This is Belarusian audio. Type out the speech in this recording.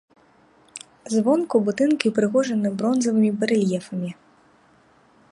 Звонку будынкі ўпрыгожаны бронзавымі барэльефамі.